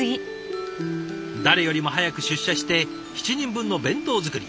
誰よりも早く出社して７人分の弁当作り。